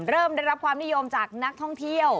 ได้รับความนิยมจากนักท่องเที่ยว